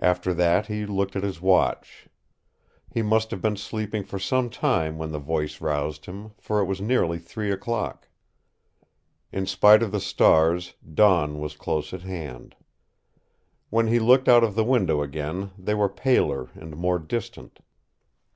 After that he looked at his watch. He must have been sleeping for some time when the voice roused him, for it was nearly three o'clock. In spite of the stars, dawn was close at hand. When he looked out of the window again they were paler and more distant.